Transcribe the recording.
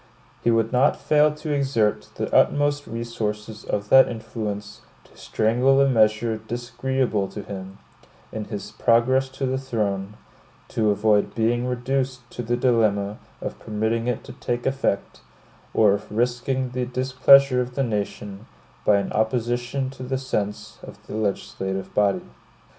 He would not fail to exert the utmost resources of that influence to strangle a measure disagreeable to him, in its progress to the throne, to avoid being reduced to the dilemma of permitting it to take effect, or of risking the displeasure of the nation by an opposition to the sense of the legislative body.